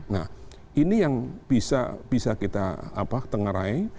nah ini yang bisa kita tengarai